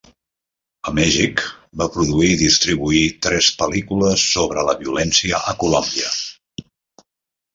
A Mèxic, va produir i distribuir tres pel·lícules sobre la violència a Colòmbia.